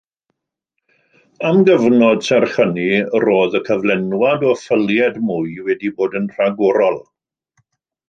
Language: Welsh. Am gyfnod, serch hynny, roedd y cyflenwad o "ffyliaid mwy" wedi bod yn rhagorol.